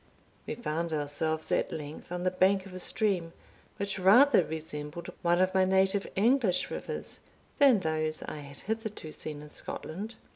We found ourselves at length on the bank of a stream, which rather resembled one of my native English rivers than those I had hitherto seen in Scotland.